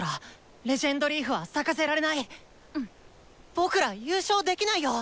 僕ら優勝できないよ！